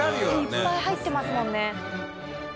いっぱい入ってますもんね。